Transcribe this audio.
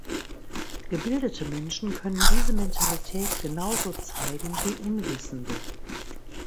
Gebildete Menschen können diese Mentalität genauso zeigen wie Unwissende.